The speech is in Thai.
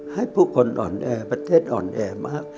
ให้ผู้คนอ่อนแอประเทศอ่อนแอมาก